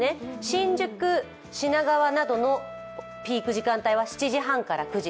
新宿、品川などのピーク時間帯は７時半から９時。